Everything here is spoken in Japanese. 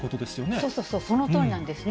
そうそうそう、そのとおりなんですね。